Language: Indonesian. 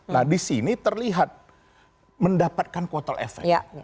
nah disini terlihat mendapatkan kuotol efek